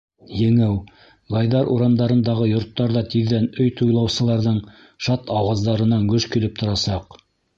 Еңеү, Гайдар урамдарындағы йорттар ҙа тиҙҙән өй туйлаусыларҙың шат ауаздарынан гөж килеп торасаҡ.